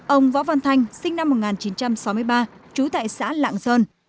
ông võ văn thanh sinh năm một nghìn chín trăm sáu mươi ba trú tại xã lạng sơn